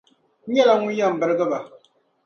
N nyɛla ŋun yɛn birgi ba.